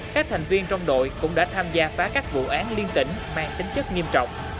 các thành viên trong đội cũng đã tham gia phá các vụ án liên tỉnh mang tính chất nghiêm trọng